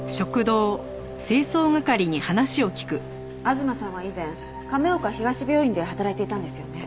吾妻さんは以前亀岡東病院で働いていたんですよね？